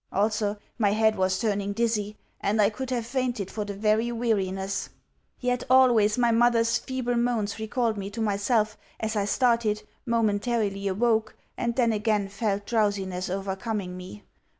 Also, my head was turning dizzy, and I could have fainted for very weariness. Yet always my mother's feeble moans recalled me to myself as I started, momentarily awoke, and then again felt drowsiness overcoming me.